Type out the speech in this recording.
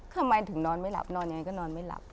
ทำไมถึงนอนไม่หลับนอนยังไงก็นอนไม่หลับ